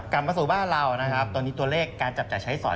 กลับมาสู่บ้านเรานะครับตอนนี้ตัวเลขการจับจ่ายใช้สอย